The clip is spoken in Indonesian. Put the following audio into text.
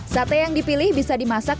sate yang dipilih bisa dimasak